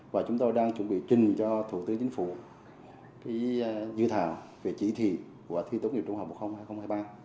và chúng tôi đang chuẩn bị trình cho thủ tướng chính phủ dự thảo về chỉ thị của thi tốt nghiệp trung học phổ thông hai nghìn hai mươi ba